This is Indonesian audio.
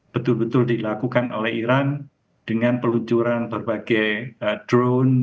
betul betul dilakukan oleh iran dengan peluncuran berbagai drone